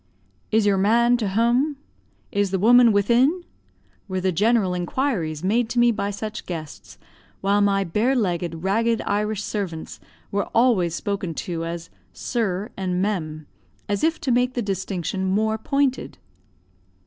"Is your man to hum?" "Is the woman within?" were the general inquiries made to me by such guests, while my bare legged, ragged Irish servants were always spoken to, as "sir" and "mem," as if to make the distinction more pointed.